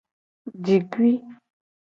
Jikui.